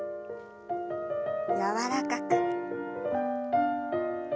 柔らかく。